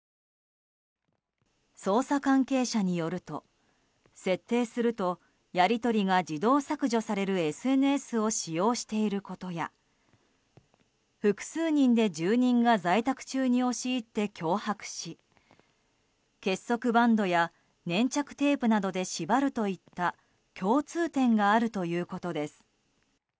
捜査関係者によると設定すると、やり取りが自動削除されるＳＮＳを使用していることや複数人で住人が在宅中に押し入って脅迫し結束バンドや粘着テープなどで縛るといった共通点があるということです。